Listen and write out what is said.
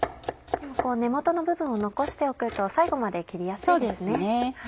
根元の部分を残しておくと最後まで切りやすいですね。